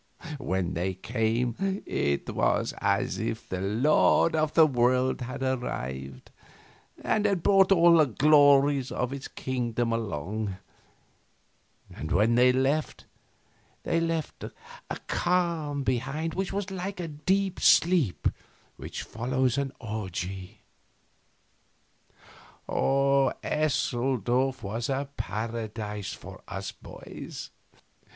When they came it was as if the lord of the world had arrived, and had brought all the glories of its kingdoms along; and when they went they left a calm behind which was like the deep sleep which follows an orgy. Eseldorf was a paradise for us boys.